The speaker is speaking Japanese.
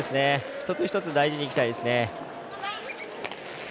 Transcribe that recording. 一つ一つ大事にいきたいですね。